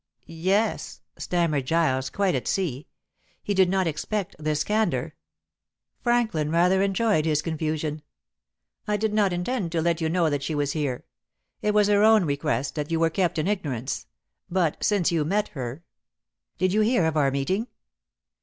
"Yes," stammered Giles, quite at sea. He did not expect this candor. Franklin rather enjoyed his confusion. "I did not intend to let you know that she was here. It was her own request that you were kept in ignorance. But since you met her " "Did you hear of our meeting?"